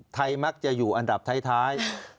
มักจะอยู่อันดับท้าย